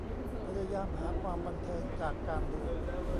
พยายามหาความบันเทิงจากการดู